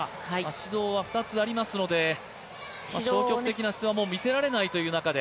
指導は２つありますので消極的な姿勢は見せられないという中で。